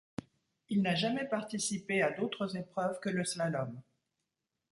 Il n'a jamais participé à d'autres épreuves que le slalom.